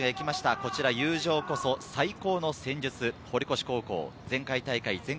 こちら「友情こそ、最高の戦術」、堀越高校。